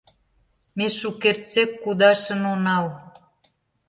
Ме шукертсек кудашын онал.